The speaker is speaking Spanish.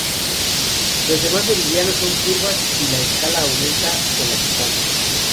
Los demás meridianos son curvas, y la escala aumenta con la distancia.